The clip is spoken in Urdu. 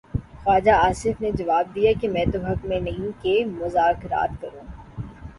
خواجہ آصف نے جواب دیا کہ میں تو حق میں نہیں کہ مذاکرات ہوں۔